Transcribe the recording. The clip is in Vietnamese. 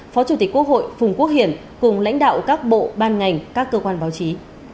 phó chủ tịch quốc hội phùng quốc hiển cùng lãnh đạo các bộ ban ngành các cơ quan báo chí